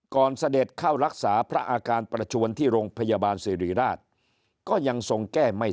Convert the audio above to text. เสด็จเข้ารักษาพระอาการประชวนที่โรงพยาบาลสิริราชก็ยังทรงแก้ไม่